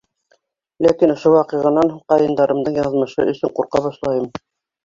Ләкин ошо ваҡиғанан һуң ҡайындарымдың яҙмышы өсөн ҡурҡа башлайым.